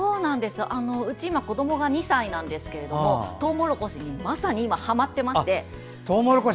うち子どもが２歳ですがトウモロコシにまさに今、はまってまして。